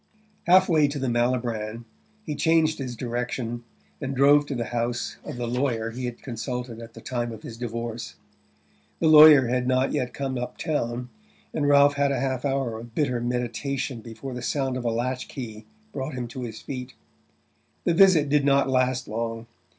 Halfway to the Malibran he changed his direction, and drove to the house of the lawyer he had consulted at the time of his divorce. The lawyer had not yet come up town, and Ralph had a half hour of bitter meditation before the sound of a latch key brought him to his feet. The visit did not last long.